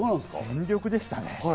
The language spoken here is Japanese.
全力でしたね。